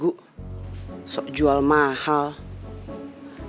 satu yang jual mahal jauh